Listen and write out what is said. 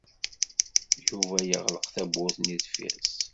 Yuba yeɣleq tawwurt-nni deffir-s.